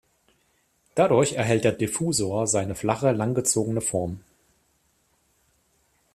Dadurch erhält der Diffusor seine flache, langgezogene Form.